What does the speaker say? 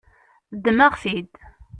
Ddmeɣ-t-id.